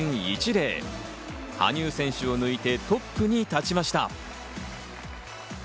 羽生選手を抜いてトップに立ちました。